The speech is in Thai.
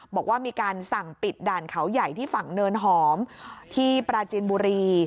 บอกว่ามีการสั่งปิดด่านเขาใหญ่ที่ฝั่งเนินหอมที่ปราจินบุรี